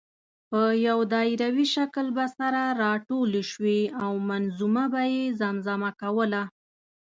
په یو دایروي شکل به سره راټولې شوې او منظومه به یې زمزمه کوله.